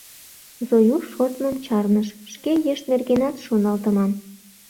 Зоюш шортмым чарныш — шке, еш нергенат шоналтыман.